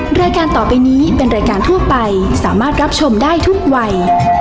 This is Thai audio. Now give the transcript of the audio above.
รายการต่อไปนี้เป็นรายการทั่วไปสามารถรับชมได้ทุกวัย